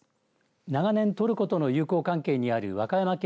長年トルコとの友好関係にある和歌山県